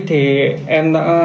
thì em đã